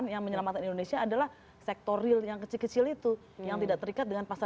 yang menyelamatkan indonesia adalah sektor real yang kecil kecil itu yang tidak terikat dengan pasar